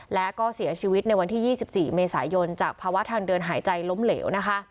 และก็เสียชีวิตในวันที่๒๔เมษายนจากภาวะทางเดินหายใจล้มเหลวนะคะ